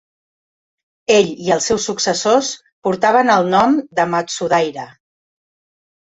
Ell i els seus successors portaven el nom de Matsudaira.